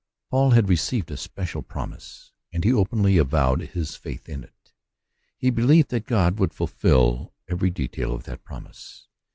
AUL had received a special promise, and he openly avowed his faith in it. He believed that God would fulfil every detail of that promise.